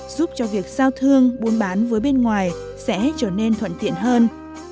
giúp cho việc giao thương buôn bán với bên ngoài sẽ trở nên thuận tiện hơn